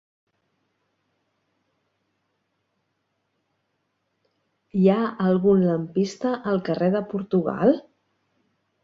Hi ha algun lampista al carrer de Portugal?